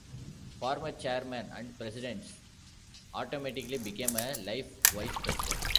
Former Chairmen and Presidents automatically become a Life Vice-President.